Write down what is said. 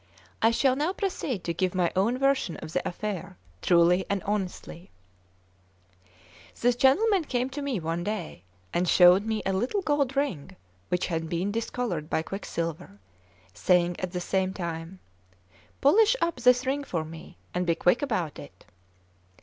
I shall now proceed to give my own version of the affair, truly and honestly. This gentleman came to me one day, and showed me a little gold ring which had been discoloured by quicksilver, saying at the same time: "Polish up this ring for me, and be quick about it."